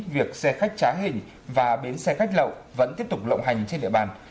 việc xe khách trá hình và bến xe khách lậu vẫn tiếp tục lộng hành trên địa bàn